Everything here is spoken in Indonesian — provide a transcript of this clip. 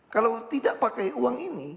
kalau tidak pakai uang ini